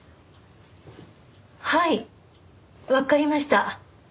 はいわかりました。